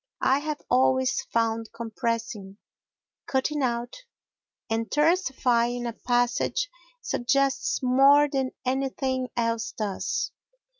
I have always found compressing, cutting out, and tersifying a passage suggests more than anything else does.